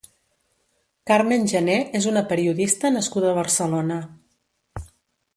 Carmen Jané és una periodista nascuda a Barcelona.